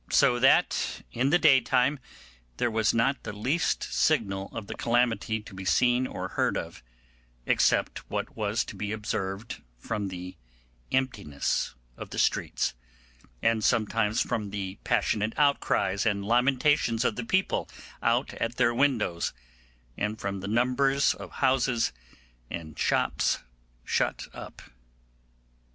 So that in the daytime there was not the least signal of the calamity to be seen or heard of, except what was to be observed from the emptiness of the streets, and sometimes from the passionate outcries and lamentations of the people, out at their windows, and from the numbers of houses and shops shut up.